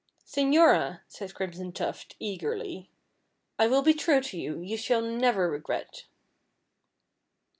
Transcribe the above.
"Señora," said Crimson Tuft, eagerly, "I will be true to you; you shall never regret."